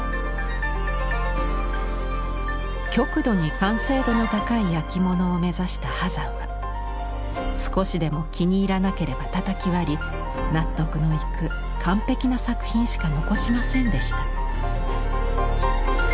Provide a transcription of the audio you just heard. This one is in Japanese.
極度に完成度の高いやきものを目指した波山は少しでも気に入らなければたたき割り納得のいく完璧な作品しか残しませんでした。